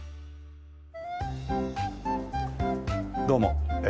どうも。